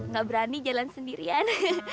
gak berani jalan sendirian